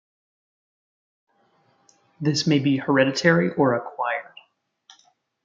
This may be hereditary or acquired.